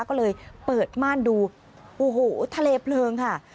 ก็เลยเปิดม่านดูโอ้โหทะเลเพลิงค่ะ